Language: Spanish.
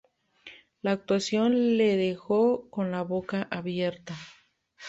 La actuación le dejó con la boca abierta